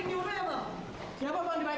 siapa yang dibayar ke semua